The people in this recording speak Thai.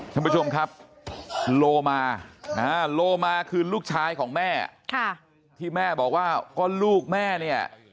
ท่านผู้ชมครับโลมาโลมาคือลูกชายของแม่ที่แม่บอกว่าก็ลูกแม่เนี่ย